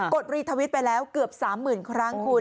ดรีทวิตไปแล้วเกือบ๓๐๐๐ครั้งคุณ